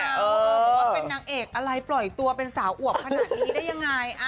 บอกว่าเป็นนางเอกอะไรปล่อยตัวเป็นสาวอวบขนาดนี้ได้ยังไง